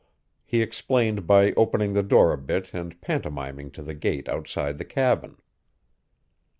He explained by opening the door a bit and pantomiming to the gate outside the cabin.